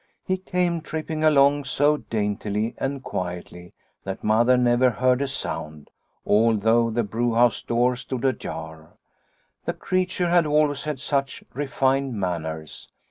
He came tripping along so daintily and quietly that Mother never heard a sound, although the brewhouse door stood ajar. " The creature had always had such refined manners.